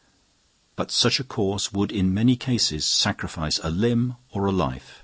But such a course would in many cases sacrifice a limb or a life.